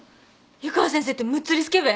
湯川先生ってむっつりスケベ！？